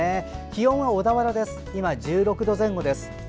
気温は小田原で今１６度前後です。